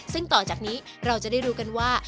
ซึ่งต่อจากนี้เราจะได้รู้กันว่า